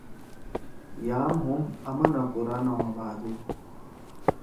یام ہُم آمناپُورا نہ ہو بھادُو۔